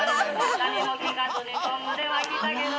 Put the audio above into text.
何もきかずにとんでは来たけど